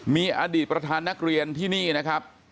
มีอดีตประธานนักเรียนที่นี่นะครับ